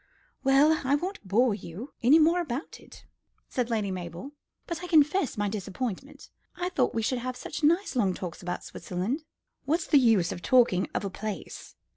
"Well, I won't bore you any more about it," said Lady Mabel, "but I confess my disappointment. I thought we should have such nice long talks about Switzerland." "What's the use of talking of a place?